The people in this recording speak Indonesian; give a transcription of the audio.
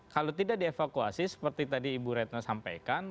kalau tidak dievakuasi seperti tadi ibu retno sampaikan